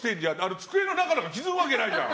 机の中なんか気づくわけないじゃん。